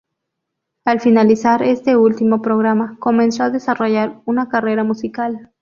Al finalizar este último programa, comenzó a desarrollar una carrera musical.